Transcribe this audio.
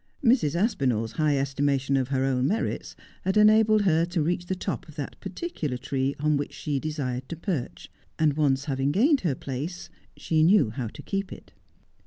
Mrs. Aspinall's high estimation of her own merits had enabled her to reach the top of that particular tree on which she desired to perch ; and, once having gained her place, she knew how to keep it.